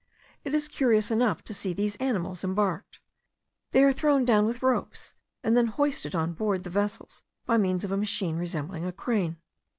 It is curious enough to see these animals embarked; they are thrown down with ropes, and then hoisted on board the vessels by means of a machine resembling a crane.